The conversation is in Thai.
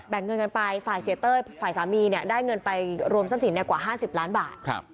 เงินกันไปฝ่ายเสียเต้ยฝ่ายสามีเนี่ยได้เงินไปรวมทรัพย์สินกว่า๕๐ล้านบาท